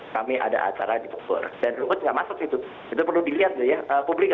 kami ada acara di bogor dan ruhut nggak masuk itu itu perlu dilihat ya publik